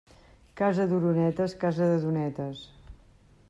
Casa d'oronetes, casa de donetes.